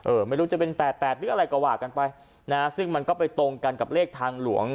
ไม่รู้จะเป็นแปดแปดหรืออะไรก็ว่ากันไปนะฮะซึ่งมันก็ไปตรงกันกับเลขทางหลวง